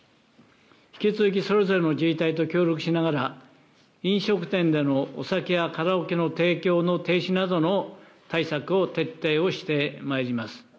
引き続きそれぞれの自治体と協力しながら、飲食店でのお酒やカラオケの提供の停止などの対策を徹底をしてまいります。